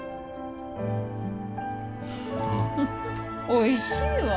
おいしいわ。